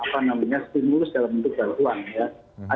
apa namanya stimulus dalam bentuk bantuan ya